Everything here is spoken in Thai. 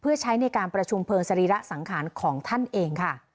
เพื่อใช้ในการประชุมเพลิงสรีระสังขารของท่านเองค่ะ